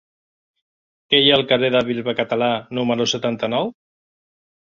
Què hi ha al carrer del Bisbe Català número setanta-nou?